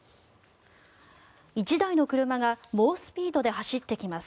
１台の車が猛スピードで走ってきます。